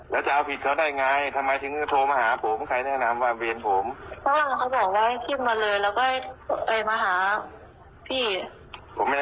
วันที่เกิดเหตุไม่ใช่เวทผมด้วย